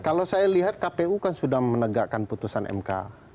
kalau saya lihat kpu kan sudah menegakkan putusan mk